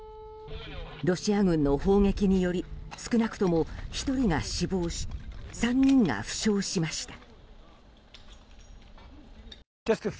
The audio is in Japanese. ロシア軍の砲撃により少なくとも１人が死亡し３人が負傷しました。